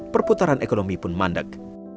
perputaran ekonomi pun mandeg